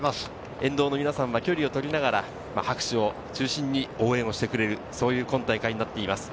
沿道の皆さん、距離をとりながら拍手を中心に応援してくれる今大会になっています。